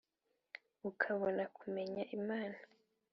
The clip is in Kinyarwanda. ukabona kumenya imana